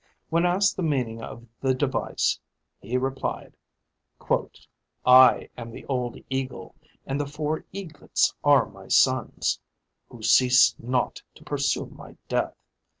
When asked the meaning of the device, he replied, "I am the old eagle, and the four eaglets are my sons, Who cease not to pursue my death.